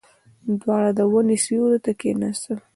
دواړه د ونې سيوري ته کېناستل.